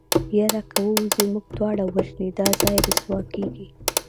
يره که ووځې موږ دواړه وژني دا ځای رسوا کېږي.